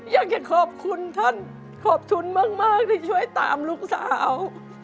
อยากจะขอบคุณท่านขอบคุณมากที่ช่วยตามลูกสาว